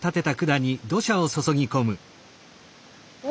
お。